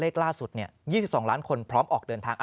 ล่าสุด๒๒ล้านคนพร้อมออกเดินทาง